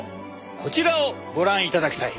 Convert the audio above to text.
こちらをご覧いただきたい。